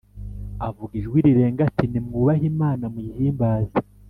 Avuga ijwi rirenga ati “Nimwubahe Imana muyihimbaze,